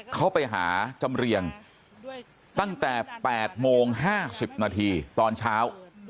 เขาไปหาจำเรียงตั้งแต่๘โมง๕๐นาทีตอนเช้า